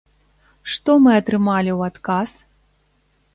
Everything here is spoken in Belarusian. Што мы атрымалі ў адказ?